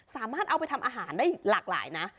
สามารถเอาไปทำอาหารได้หลากหลายนะ